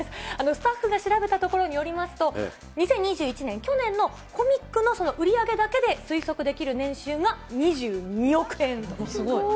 スタッフが調べたところによりますと、２０２１年、去年のコミックの売り上げだけで推測できる年収が２２億円というすごい。